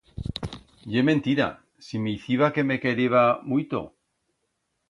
Ye mentira, si m'iciba que me quereba muito.